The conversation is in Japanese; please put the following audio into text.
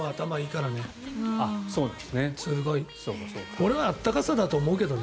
俺は温かさだと思うけどね。